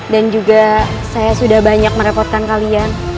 dan juga saya sudah banyak merepotkan kalian